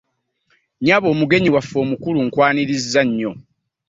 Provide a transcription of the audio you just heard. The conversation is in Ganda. Nnyabo omugenyi waffe omukulu nkwanirizza nnyo.